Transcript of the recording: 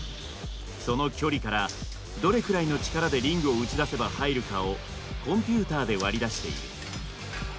その距離からどれくらいの力でリングを打ち出せば入るかをコンピューターで割り出している。